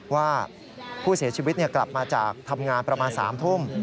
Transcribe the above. ว่าผู้เสียชีวิตกลับมาจากทำงานประมาณ๓ทุ่ม